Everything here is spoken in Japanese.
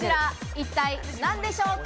一体何でしょうか？